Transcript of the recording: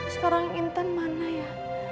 sekarang intan mana ya